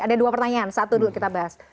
ada dua pertanyaan satu dulu kita bahas